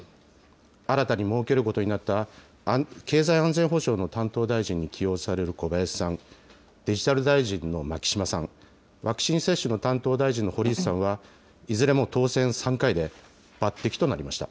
新たに設けることになった経済安全保障の担当大臣に起用される小林さん、デジタル大臣の牧島さん、ワクチン接種の担当大臣の堀内さんは、いずれも当選３回で抜てきとなりました。